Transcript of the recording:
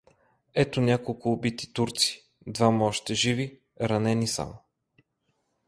Ето няколко убити турци, двама още живи, ранени само.